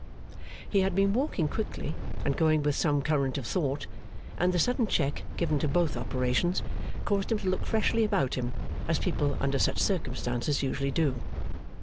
He had been walking quickly, and going with some current of thought, and the sudden check given to both operations caused him to look freshly about him, as people under such circumstances usually do.